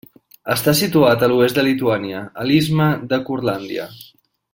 Està situat a l'oest de Lituània, a l'istme de Curlàndia.